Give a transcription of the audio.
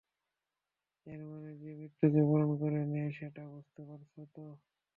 এর মানে যে মৃত্যুকেই বরণ করে নেয়া সেটা বুঝতে পারছ তো?